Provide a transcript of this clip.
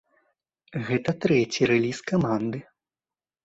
Гэта трэці рэліз каманды.